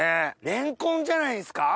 レンコンじゃないですか？